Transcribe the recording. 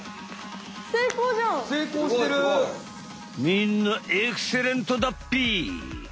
みんなエクセレントだっぺ！